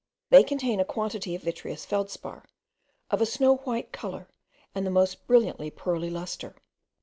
They contain a quantity of vitreous feldspar, of a snow white colour, and the most brilliant pearly lustre.